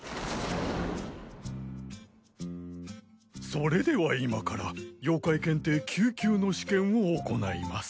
それでは今から妖怪検定９級の試験を行います。